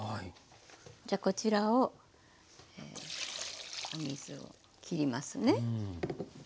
じゃこちらをお水を切りますね。